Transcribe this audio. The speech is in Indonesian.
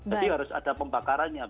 jadi harus ada pembakarannya